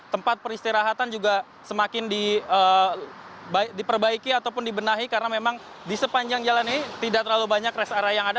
tempat peristirahatan juga semakin diperbaiki ataupun dibenahi karena memang di sepanjang jalan ini tidak terlalu banyak rest area yang ada